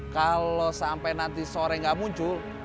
kalau sampai nanti sore nggak muncul